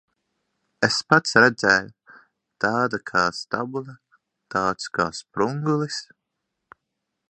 Es pats redzēju. Tāda kā stabule, tāds kā sprungulis.